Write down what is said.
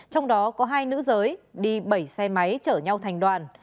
trong đó có hai nữ giới đi bảy xe máy chở nhau thành đoàn